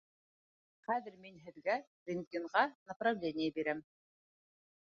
Хәҙер мин һеҙгә рентгенға направление бирәм.